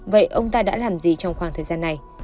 vậy ông ta đã làm gì trong khoảng thời gian này